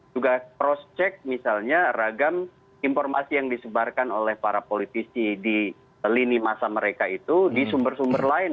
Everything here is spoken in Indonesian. juga cross check misalnya ragam informasi yang disebarkan oleh para politisi di lini masa mereka itu di sumber sumber lain